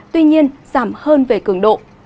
tuy nhiên giảm hơn về cường độ